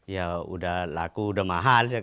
ya sudah laku sudah mahal sekarang